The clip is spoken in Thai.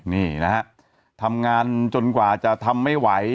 นี่นะฮะทำงานจนกว่าจะทำไม่ไหว